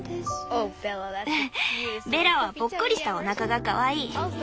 ベラはぽっこりしたおなかがかわいい。